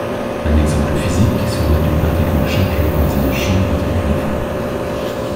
Un exemple physique serait une particule chargée dans un champ électrique uniforme.